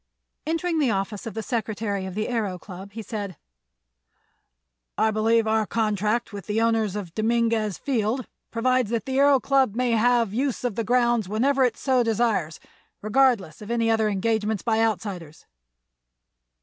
Entering the office of the secretary of the Aëro Club he said: "I believe our contract with the owners of Dominguez Field provides that the Aëro Club may have the use of the grounds whenever it so desires, regardless of any other engagements by outsiders."